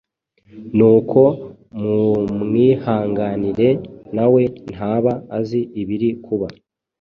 Nuko mumwihanganire nawe ntaba azi ibiri kuba.